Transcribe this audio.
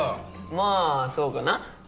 まぁそうかな。